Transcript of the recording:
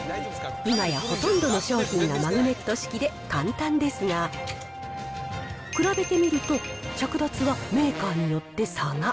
今やほとんどの商品がマグネット式で簡単ですが、比べてみると、着脱はメーカーによって差が。